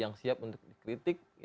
yang siap untuk dikritik